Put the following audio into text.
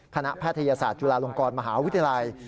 แพทยศาสตร์จุฬาลงกรมหาวิทยาลัย